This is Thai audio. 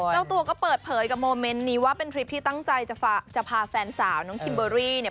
เจ้าตัวก็เปิดเผยกับโมเมนต์นี้ว่าเป็นคลิปที่ตั้งใจจะพาแฟนสาวน้องคิมเบอรี่เนี่ย